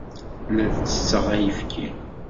La ttesseɣ ayefki.